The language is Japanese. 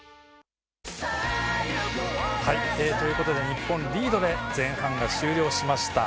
日本リードで前半が終了しました。